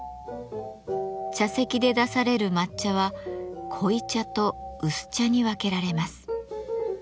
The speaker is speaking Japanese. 茶席で出される抹茶は濃茶と薄茶に分けられます。